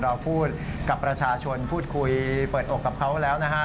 เราพูดกับประชาชนพูดคุยเปิดอกกับเขาแล้วนะฮะ